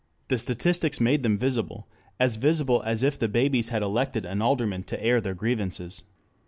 The statistics made them visible, as visible as if the babies had elected an alderman to air their grievances.